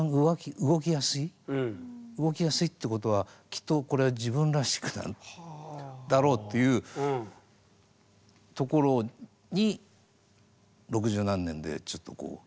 動きやすいってことはきっとこれは自分らしくなんだろうっていうところに六十何年でちょっとこう。